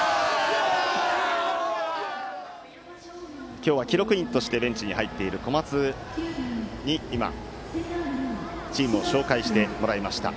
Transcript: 今日は記録員としてベンチに入っている小松に、今チームを紹介してもらいました。